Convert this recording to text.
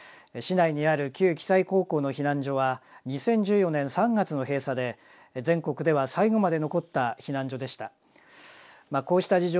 市内にある旧騎西高校の避難所は２０１４年３月の閉鎖で全国では最後まで残った避難所でした。